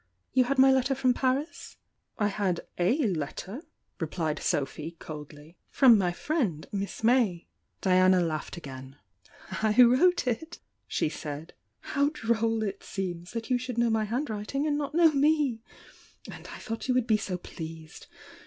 You had my letter from Paris?" "I had o letter," replied Sophy, coldly, "from my friend. Miss May." Diana laughed again. "I wrote it," she said. "How droll it seems thai you should know my handwriting and not know me! And I thought you would be so pleased!